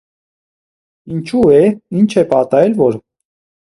- Ինչո՞ւ, է՜, ի՞նչ է պատահել որ: